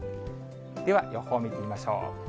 では予報を見てみましょう。